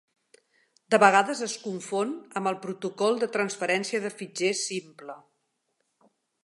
De vegades es confon amb el protocol de transferència de fitxers simple.